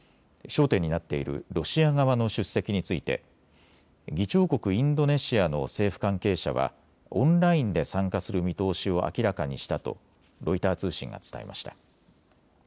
焦点になっているロシア側の出席について議長国インドネシアの政府関係者はオンラインで参加する見通しを明らかにしたとロイター通信が伝えました。